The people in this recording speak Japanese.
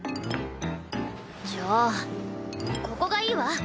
じゃあここがいいわ。